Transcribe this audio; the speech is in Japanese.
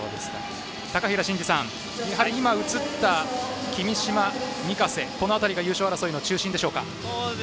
高平慎士さん君嶋、御家瀬この辺りが優勝争いの中心でしょうか。